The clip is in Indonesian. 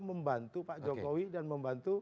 membantu pak jokowi dan membantu